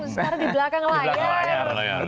sekarang di belakang layar